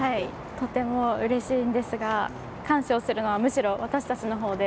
とてもうれしいんですが感謝をするのはむしろ私たちの方で。